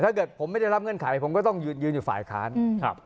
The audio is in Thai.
ถ้าเกิดผมไม่ได้รับเงื่อนไขผมก็ต้องยืนอยู่ฝ่ายค้านครับ